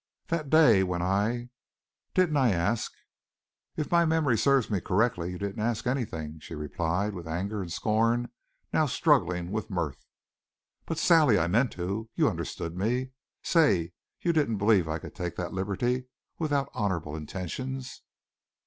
"That day when I didn't I ask..." "If my memory serves me correctly, you didn't ask anything," she replied, with anger and scorn now struggling with mirth. "But, Sally, I meant to. You understood me? Say you didn't believe I could take that liberty without honorable intentions."